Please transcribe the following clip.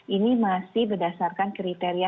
ini masih berdasarkan kriteria